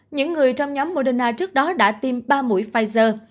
những người trong nhóm moderna trước đó đã tiêm ba mũi pfizer